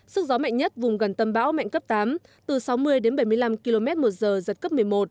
sức gió mạnh nhất vùng gần tâm bão mạnh cấp tám từ sáu mươi đến bảy mươi năm km một giờ giật cấp một mươi một